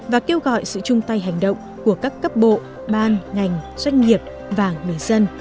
và kêu gọi sự chung tay hành động của các cấp bộ ban ngành doanh nghiệp và người dân